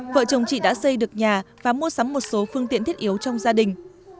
vợ chồng chị đã xây được nhà và mua sắm một số phương tiện thiết yếu trong gia đình